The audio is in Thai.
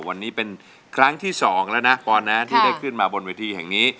วันนี้เป็นครั้งที่๒แล้วนะปอนนะที่ได้ขึ้นมาบนเวทีแห่งนี้